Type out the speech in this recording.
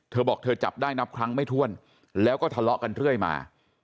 เธอบอกเธอจับได้นับครั้งไม่ถ้วนแล้วก็ทะเลาะกันเรื่อยมา